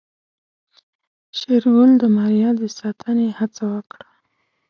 شېرګل د ماريا د ساتنې هڅه وکړه.